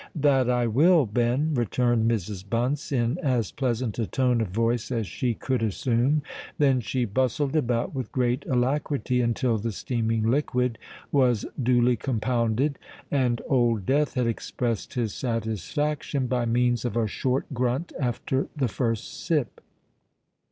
"That I will, Ben," returned Mrs. Bunce, in as pleasant a tone of voice as she could assume; then she bustled about with great alacrity until the steaming liquid was duly compounded, and Old Death had expressed his satisfaction by means of a short grunt after the first sip.